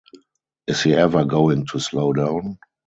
Is he ever going to slow down?